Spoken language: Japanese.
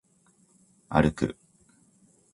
歩く